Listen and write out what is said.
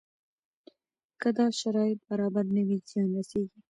که دا شرایط برابر نه وي زیان رسېږي.